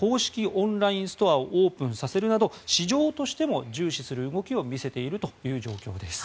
オンラインストアをオープンさせるなど市場としても重視する動きを見せているという状況です。